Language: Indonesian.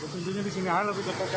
tentunya di sini aja lebih dekat